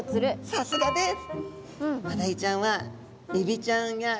さすがです！